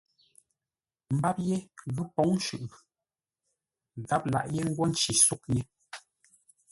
Mbap ye ghʉ́ mbǒŋ shʉʼʉ, gháp laghʼ yé ńgwó nci ńsóghʼ yé.